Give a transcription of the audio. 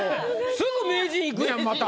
すぐ名人いくやんまた。